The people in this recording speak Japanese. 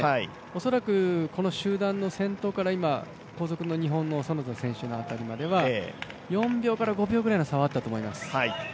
恐らく、この集団の先頭から後続の日本の其田選手の辺りまで４秒から５秒ぐらいの差はあったと思います。